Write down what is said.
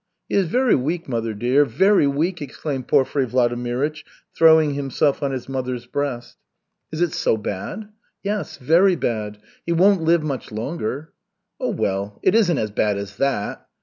"He is very weak, mother dear, very weak!" exclaimed Porfiry Vladimirych, throwing himself on his mother's breast. "Is it so bad?" "Yes, very bad. He won't live much longer." "Oh, well, it isn't as bad as that."